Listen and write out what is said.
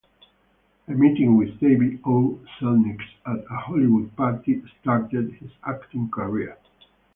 A meeting with David O. Selznick at a Hollywood party started his acting career.